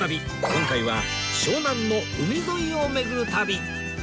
今回は湘南の海沿いを巡る旅